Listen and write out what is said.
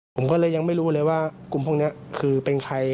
ผมก็เลยยังไม่รู้เลยว่ากลุ่มพวกนี้คือเป็นใคร